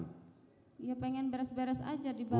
ya pengen beres beres aja di bawah